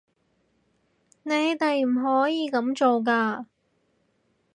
你哋唔可以噉做㗎